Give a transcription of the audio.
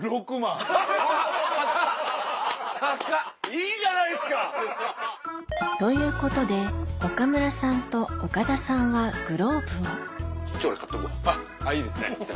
いいじゃないですか！ということで岡村さんと岡田さんはグローブを一応俺買っとくわ。あっいいですね。